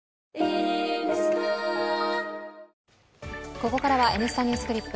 ここからは「Ｎスタ・ＮｅｗｓＣｌｉｐ」。